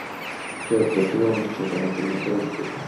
সে উত্তরটিও অনিশ্চয়তা নীতির মতোই অদ্ভুত!